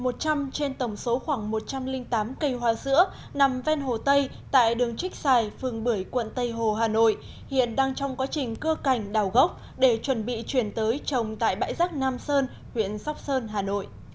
một trăm linh trên tổng số khoảng một trăm linh tám cây hoa sữa nằm ven hồ tây tại đường trích xài phường bưởi quận tây hồ hà nội hiện đang trong quá trình cưa cảnh đào gốc để chuẩn bị chuyển tới trồng tại bãi giác nam sơn huyện sóc sơn hà nội